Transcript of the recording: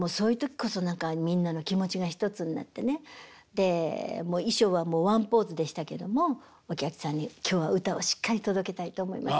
で衣装はもうワンポーズでしたけどもお客さんに「今日は歌をしっかり届けたいと思います」